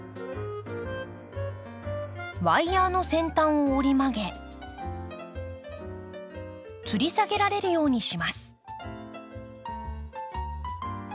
ワイヤーの先端を折り曲げつり下げられるようにします。